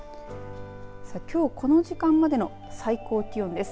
きょうこの時間までの最高気温です。